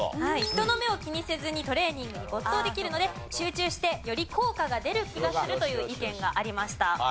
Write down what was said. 人の目を気にせずにトレーニングに没頭できるので集中してより効果が出る気がするという意見がありました。